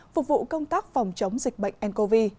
phục vụ công tác phòng chống dịch bệnh ncov